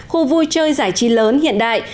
khu vui chơi giải trí lớn hiện đại